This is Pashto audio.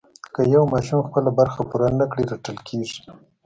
که یو ماشوم خپله برخه پوره نه کړي رټل کېږي.